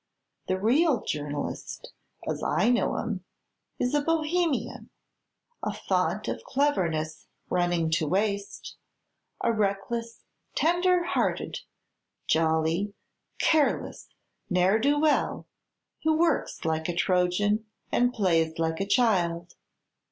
The real journalist as I know him is a Bohemian; a font of cleverness running to waste; a reckless, tender hearted, jolly, careless ne'er do well who works like a Trojan and plays like a child.